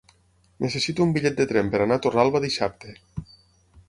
Necessito un bitllet de tren per anar a Torralba dissabte.